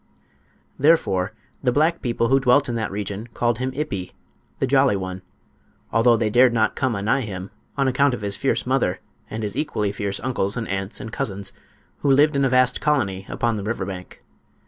Therefore the black people who dwelt in that region called him "Ippi"—the jolly one, although they dared not come anigh him on account of his fierce mother, and his equally fierce uncles and aunts and cousins, who lived in a vast colony upon the river bank.